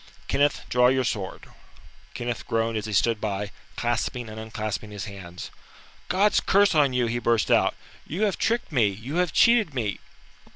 Kenneth, draw your sword." Kenneth groaned as he stood by, clasping and unclasping his hands. "God's curse on you," he burst out. "You have tricked me, you have cheated me."